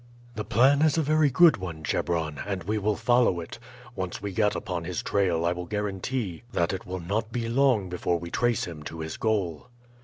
"The plan is a very good one, Chebron, and we will follow it. Once we get upon his trail I will guarantee that it will not be long before we trace him to his goal."